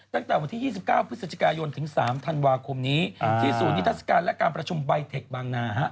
ตั้งแต่วันที่๒๙พฤศจิกายนถึง๓ธันวาคมนี้ที่ศูนย์นิทัศกาลและการประชุมใบเทคบางนา